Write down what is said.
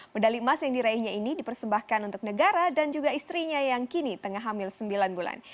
medali emas yang diraihnya ini dipersembahkan untuk negara dan juga istrinya yang kini tengah hamil sembilan bulan